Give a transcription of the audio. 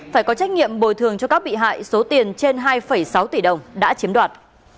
phải có trách nhiệm bồi thường cho các bị hại số tiền trên hai sáu tỷ đồng đã chiếm đoạt